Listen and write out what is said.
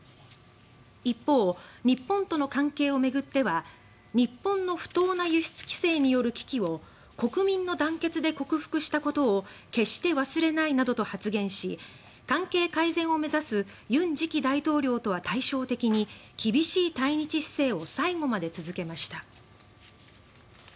一方、日本との関係を巡っては日本の不当な輸出規制による危機を国民の団結で克服したことを決して忘れないなどと発言し関係改善を目指す尹次期大統領とは対照的に厳しい対日姿勢を最後まで続けました。